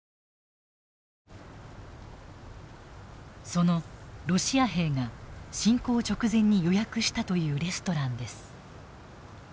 そのロシア兵が侵攻直前に予約したというレストランです。